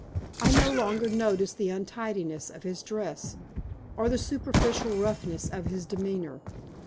I no longer noticed the untidiness of his dress, or the superficial roughness of his demeanor.